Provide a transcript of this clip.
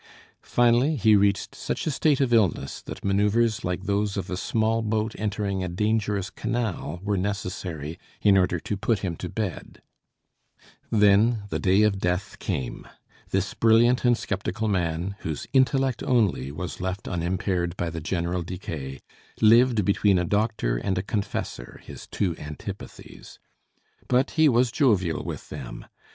Finally he reached such a state of illness that manoeuvres like those of a small boat entering a dangerous canal were necessary in order to put him to bed. Then the day of death came. This brilliant and skeptical man, whose intellect only was left unimpaired by the general decay, lived between a doctor and a confessor, his two antipathies. But he was jovial with them.